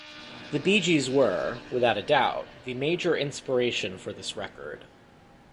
The Bee Gees were, without a doubt, the major inspiration for this record.